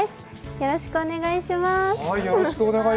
よろしくお願いします。